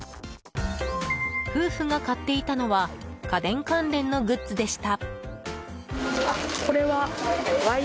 夫婦が買っていたのは家電関連のグッズでした。